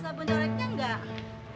apa yang indici anggoa ini